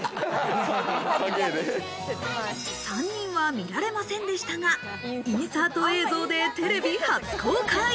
３人は見られませんでしたが、インサート映像でテレビ初公開！